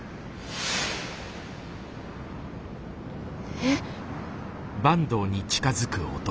えっ？